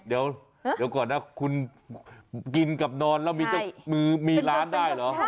เดี๋ยวก่อนนะคุณกินกับนอนแล้วมีเจ้ามือมีร้านได้เหรอ